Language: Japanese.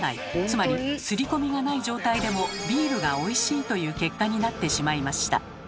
つまり刷り込みがない状態でもビールがおいしいという結果になってしまいました。